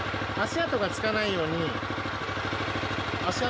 足跡がつかないように。